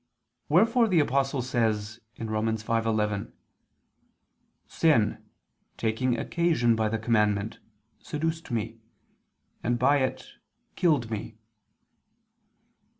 Wherefore the Apostle says (Rom. 5:11): "Sin, taking occasion by the commandment, seduced me, and by it killed me."